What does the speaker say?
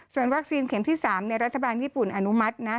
ส่วนวัคซีนเข็มที่๓รัฐบาลญี่ปุ่นอนุมัตินะ